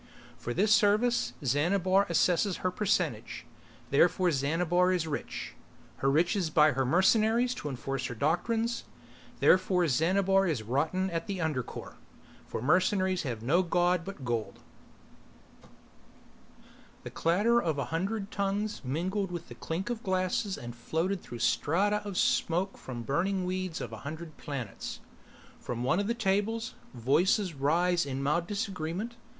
For this service Xanabar assesses her percentage, therefore Xanabar is rich. Her riches buy her mercenaries to enforce her doctrines. Therefore Xanabar is rotten at the under core, for mercenaries have no god but gold. The clatter of a hundred tongues mingled with the clink of glasses and floated through strata of smoke from the burning weeds of a hundred planets. From one of the tables, voices rise in mild disagreement.